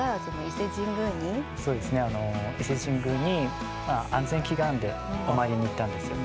伊勢神宮に安全祈願でお参りに行ったんですよ。